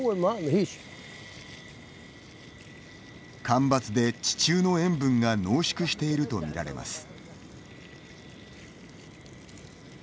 干ばつで地中の塩分が濃縮していると見られます。